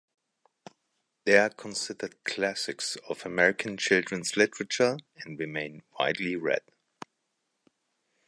They are considered classics of American children's literature and remain widely read.